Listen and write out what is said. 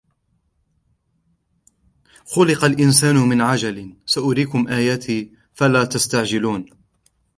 خلق الإنسان من عجل سأريكم آياتي فلا تستعجلون